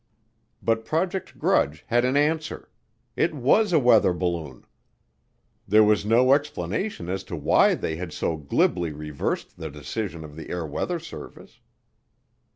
But Project Grudge had an answer, it was a weather balloon. There was no explanation as to why they had so glibly reversed the decision of the Air Weather Service.